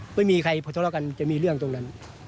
ไม่มีใครพอทะเลาะกันจะมีเรื่องตรงนั้น